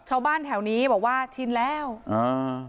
ชาวบ้านแถวนี้บอกว่าชินแล้วอ่า